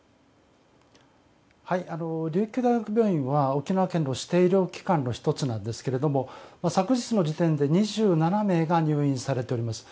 琉球大学病院は沖縄県の指定医療機関の１つなんですけれども昨日の時点で２７名が入院されています。